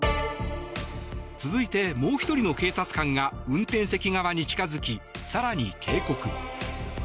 続いて、もう１人の警察官が運転席側に近づき更に警告。